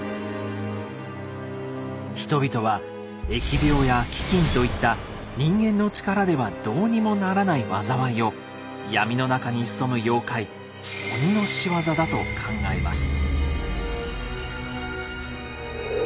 人々は疫病や飢饉といった人間の力ではどうにもならない災いを闇の中に潜む妖怪「鬼」の仕業だと考えます。